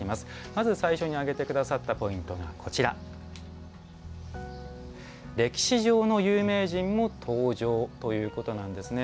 まず最初に挙げてくださったのが「歴史上の有名人も登場」ということなんですね。